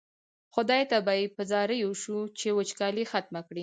خدای ته به یې په زاریو شو چې وچکالي ختمه کړي.